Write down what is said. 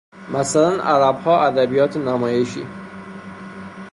مثلاً عربها ادبیات نمایشی